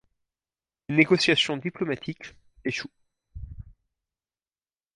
Les négociations diplomatiques échouent.